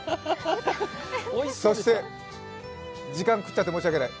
そして、時間食っちゃって申し訳ない。